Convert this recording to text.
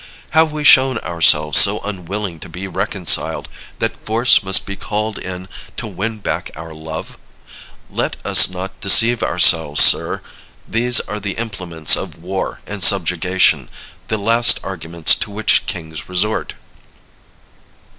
Have we shown ourselves so unwilling to be reconciled that force must be called in to win back our love? Let us not deceive ourselves, sir. These are the implements of war and subjugation the last arguments to which kings resort.